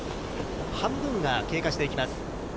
半分が経過していきます。